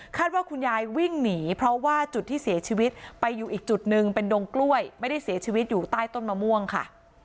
ว่าคุณยายวิ่งหนีเพราะว่าจุดที่เสียชีวิตไปอยู่อีกจุดหนึ่งเป็นดงกล้วยไม่ได้เสียชีวิตอยู่ใต้ต้นมะม่วงค่ะ